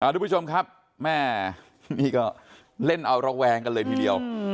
ทุกผู้ชมครับแม่นี่ก็เล่นเอาระแวงกันเลยทีเดียว